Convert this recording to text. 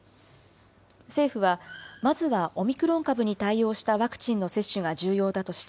政府はまずはオミクロン株に対応したワクチンの接種が重要だとし